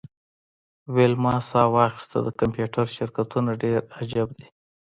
ویلما ساه واخیسته د کمپیوټر شرکتونه ډیر عجیب دي